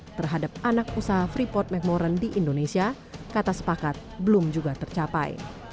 terhadap anak usaha freeport mcmoran di indonesia kata sepakat belum juga tercapai